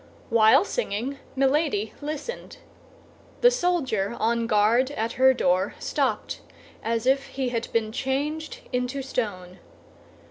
While singing, Milady listened. The soldier on guard at her door stopped, as if he had been changed into stone.